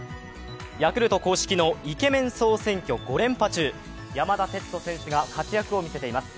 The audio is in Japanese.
ヤクルト公式のイケメン総選挙５連覇中、山田哲人選手が活躍を見せています。